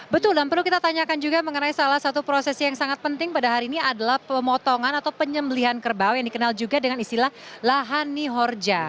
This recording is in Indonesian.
betul dan perlu kita tanyakan juga mengenai salah satu proses yang sangat penting pada hari ini adalah pemotongan atau penyembelihan kerbau yang dikenal juga dengan istilah lahani horja